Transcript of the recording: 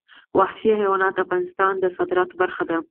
وحشي حیوانات د افغانستان د صادراتو برخه ده.